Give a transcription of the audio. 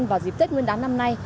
vào dịp tết nguyên đán năm nay